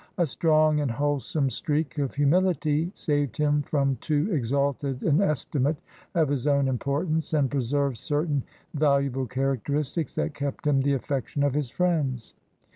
A strong and wholesome streak of humility saved him from too exalted an esti mate of his own importance, and preserved certain valu able characteristics that kept him the affection of his friends.